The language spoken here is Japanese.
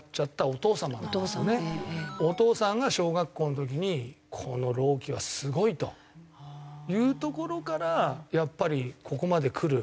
お父さんが小学校の時にこの朗希はすごいというところからやっぱりここまでくる。